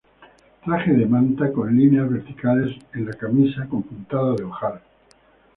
Traje de manta con líneas verticales en la camisa con puntada de ojal.